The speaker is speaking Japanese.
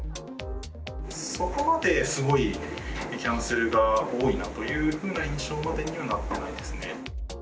そこまですごいキャンセルが多いなというふうな印象までにはなってないですね。